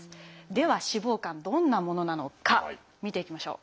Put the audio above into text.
では脂肪肝どんなものなのか見ていきましょう。